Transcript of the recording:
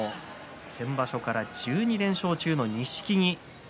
先場所から１２連勝中の錦木です。